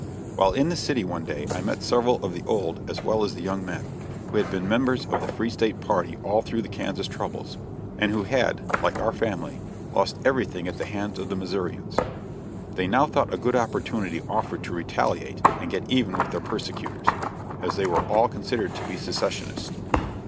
While in the city one day I met several of the old, as well as the young men, who had been members of the Free State party all through the Kansas troubles, and who had, like our family, lost everything at the hands of the Missourians. They now thought a good opportunity offered to retaliate and get even with their persecutors, as they were all considered to be secessionists.